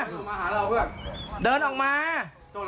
วางแล้วเดินออกมาเดินออกมา